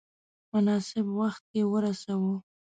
مناسب وخت کې ورساوه.